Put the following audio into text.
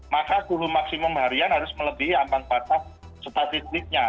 maka suhu maksimum harian harus melebihi aman patah statistiknya